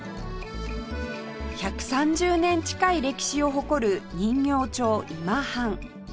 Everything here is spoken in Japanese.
１３０年近い歴史を誇る人形町今半